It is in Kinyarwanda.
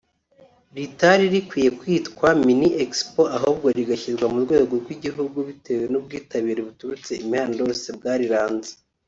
ritari rikwiye kwitwa ‘Mini Expo’ ahubwo rigashyirwa ku rwego rw’igihugu bitewe n’ubwitabire buturutse imihanda yose bwariranze